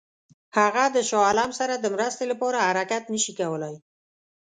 هغه د شاه عالم سره د مرستې لپاره حرکت نه شي کولای.